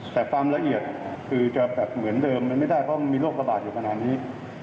แต่ความละเอียดคือจะแบบเหมือนเดิมมันไม่ได้เพราะมันมีโรคระบาดอยู่ขนาดนี้